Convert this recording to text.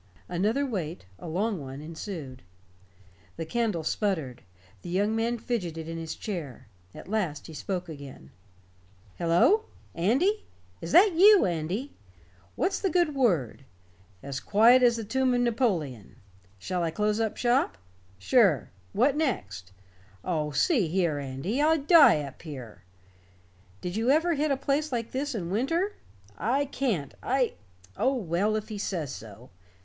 Another wait a long one ensued. The candle sputtered. The young man fidgeted in his chair. At last he spoke again: "Hello! Andy? Is that you, Andy? What's the good word? As quiet as the tomb of Napoleon. Shall I close up shop? Sure. What next? Oh, see here, Andy, I'd die up here. Did you ever hit a place like this in winter? I can't I oh, well, if he says so.